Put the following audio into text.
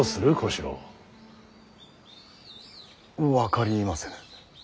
分かりませぬ。